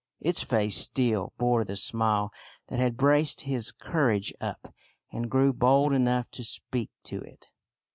Its face still bore the smile that had braced his courage up, and he grew bold enough to speak to it.